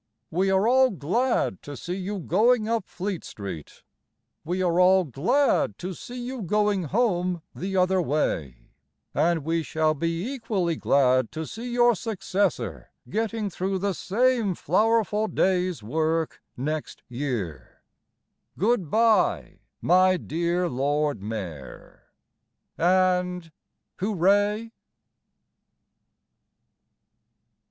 We are all glad to see you going up Fleet Street, We are all glad to see you going home the other way; And we shall be equally glad to see your successor Getting through the same flowerful day's work Next year. Goodbye, my dear Lord Mayor! And Hooray?